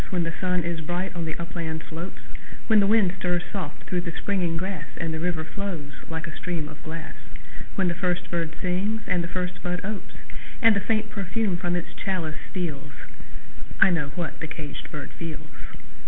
When the sun is bright on the upland slopes; When the wind stirs soft through the springing grass, And the river flows like a stream of glass; When the first bird sings and the first bud opes, And the faint perfume from its chalice steals I know what the caged bird feels!